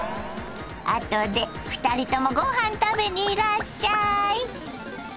あとで２人ともごはん食べにいらっしゃい。